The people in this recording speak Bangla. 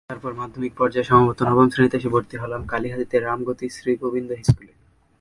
তারপর মাধ্যমিক পর্যায়ে—সম্ভবত নবম শ্রেণিতে এসে ভর্তি হলাম কালীহাতিতে রামগতি শ্রীগোবিন্দ হাইস্কুলে।